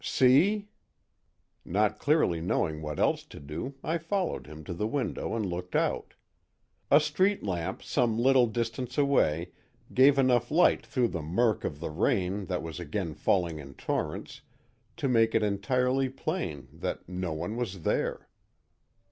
"See." Not clearly knowing what else to do I followed him to the window and looked out. A street lamp some little distance away gave enough light through the murk of the rain that was again falling in torrents to make it entirely plain that "no one was there."